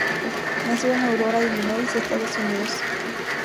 Nació en Aurora, Illinois, Estados Unidos.